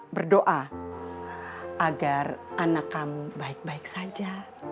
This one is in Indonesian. berdoa agar anak kamu baik baik saja